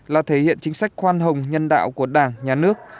là thể hiện chính sách khoan hồng nhân đạo của đảng nhà nước